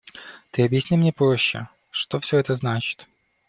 Ты объясни мне проще: что все это значит?